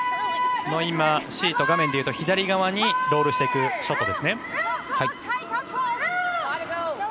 画面で言うと左側にロールしていくショットです。